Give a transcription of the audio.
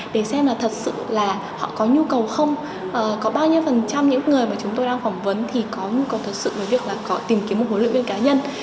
để xem là thật sự là họ có nhu cầu không có bao nhiêu phần trăm những người mà chúng tôi đang phỏng vấn thì có nhu cầu thật sự với việc là có tìm kiếm một huấn luyện viên cá nhân